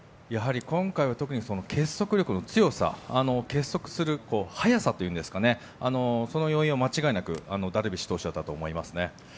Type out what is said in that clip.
今回は特に結束力の強さ結束する早さその要因は間違いなくダルビッシュ投手だったと思いますね。